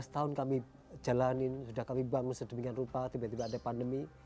lima belas tahun kami jalanin sudah kami bangun sedemikian rupa tiba tiba ada pandemi